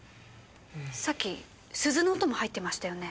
さっき鈴の音も入ってましたよね？